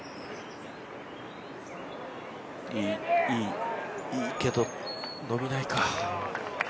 いい、いいけど、伸びないか。